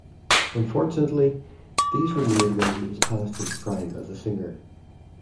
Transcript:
Unfortunately, these were made when he was past his prime as a singer.